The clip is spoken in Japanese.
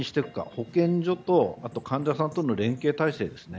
保健所と患者さんとの連携体制ですね。